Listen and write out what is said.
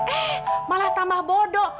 eh malah tambah bodoh